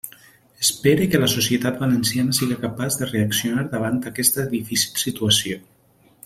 Espere que la societat valenciana siga capaç de reaccionar davant aquesta difícil situació.